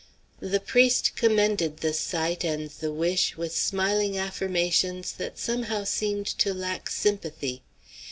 The priest commended the sight and the wish with smiling affirmations that somehow seemed to lack sympathy.